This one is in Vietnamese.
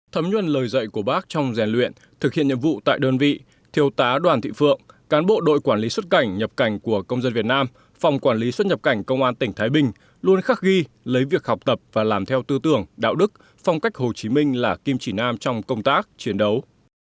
thấm nhuân lời dạy của bác trong rèn luyện thực hiện nhiệm vụ tại đơn vị thiêu tá đoàn thị phượng cán bộ đội quản lý xuất cảnh nhập cảnh của công dân việt nam phòng quản lý xuất nhập cảnh công an tỉnh thái bình luôn khắc ghi lấy việc học tập và làm theo tư tưởng đạo đức phong cách hồ chí minh là kim chỉ nam trong công tác chiến đấu